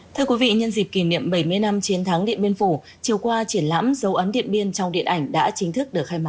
thưa quý vị nhân dịp kỷ niệm bảy mươi năm chiến thắng điện biên phủ chiều qua triển lãm dấu ấn điện biên trong điện ảnh đã chính thức được khai mạc